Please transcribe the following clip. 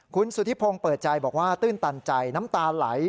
คุณสุธิพงศ์เปิดใจบอกว่าตื้นตันใจน้ำตาไหล